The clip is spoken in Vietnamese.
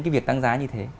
cái việc tăng giá như thế